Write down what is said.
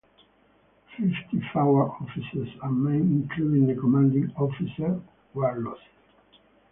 Fifty-four officers and men, including the commanding officer, were lost.